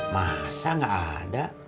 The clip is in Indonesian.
masa gak ada